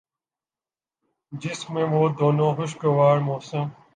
جس میں وہ دونوں خوشگوار موسم